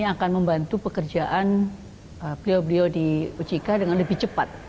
itu pekerjaan beliau beliau di ujk dengan lebih cepat